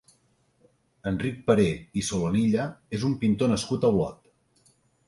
Enric Peré i Solanilla és un pintor nascut a Olot.